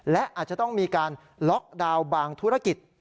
และอาจจะต้องมีการล็อกดาวน์บางธุรกิจ